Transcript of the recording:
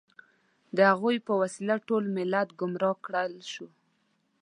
د هغوی په وسیله ټول ملت ګمراه کړل شو.